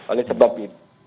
oleh sebab itu